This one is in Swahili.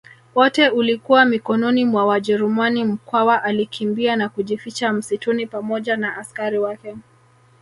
wote ulikuwa mikononi mwa wajerumani Mkwawa alikimbia na kujificha msituni pamoja na askari wake